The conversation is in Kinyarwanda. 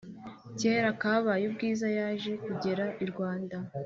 Kera kabaye bwiza yaje kugera irwanda